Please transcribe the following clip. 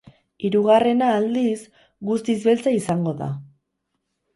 Hirugarrena, aldiz, guztiz beltza izango da.